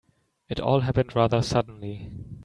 It all happened rather suddenly.